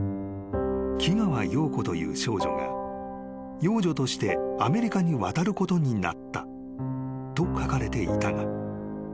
［木川洋子という少女が養女としてアメリカに渡ることになったと書かれていたが］